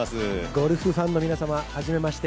ゴルフファンの皆さん、初めまして。